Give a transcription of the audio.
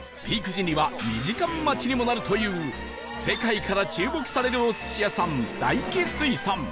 時には２時間待ちにもなるという世界から注目されるお寿司屋さん大起水産